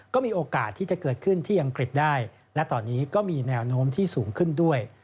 ก็มีโอกาสที่จะเกิดขึ้นที่อังกฤษได้และตอนนี้ก็มีแนวโน้มที่สูงขึ้นด้วย